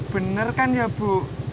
bener kan ya bu